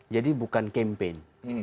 jadi bukan campaign